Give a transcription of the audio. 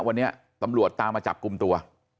วันนี้ตำรวจตามมาจับกลุ่มตัว